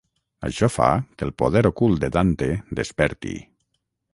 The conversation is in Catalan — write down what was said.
Això fa que el poder ocult de Dante desperti.